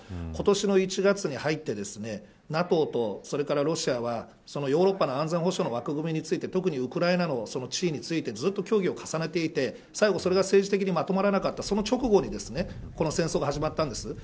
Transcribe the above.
今年の１月に入ってＮＡＴＯとロシアはヨーロッパの安全保障の枠組みについて特にウクライナの地位について協議を重ねていて最後それが政治的にまとまらなかったその直後にこの戦争が始まったんです。